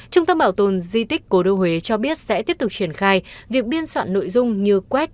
trung tâm bảo tồn di tích cổ đô huế cho biết sẽ tiếp tục triển khai việc biên soạn nội dung như quét